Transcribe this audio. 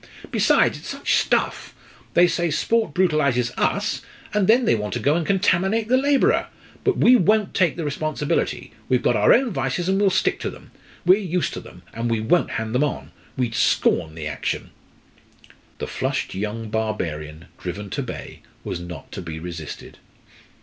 Besides, it's such stuff! They say sport brutalises us, and then they want to go and contaminate the labourer. But we won't take the responsibility. We've got our own vices, and we'll stick to them; we're used to them; but we won't hand them on: we'd scorn the action." The flushed young barbarian, driven to bay, was not to be resisted.